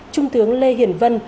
trung tướng lê hiển vân